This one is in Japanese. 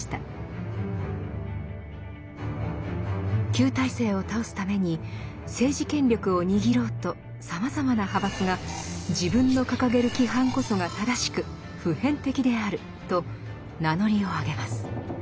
旧体制を倒すために政治権力を握ろうとさまざまな派閥が「自分の掲げる規範こそが正しく普遍的である！」と名乗りを上げます。